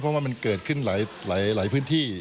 เพราะว่ามันเกิดขึ้นหลายพื้นที่